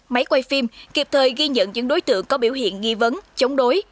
máy quay phim kịp thời ghi nhận những đối tượng có biểu hiện nghi vấn chống đối